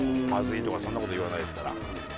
まずいとかそんな事言わないですから。